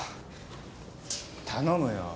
頼むよ。